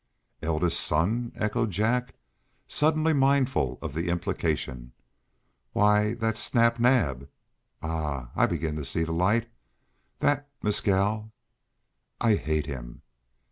"Eldest son?" echoed Jack, suddenly mindful of the implication. "Why! that's Snap Naab. Ah! I begin to see light. That Mescal " "I hate him."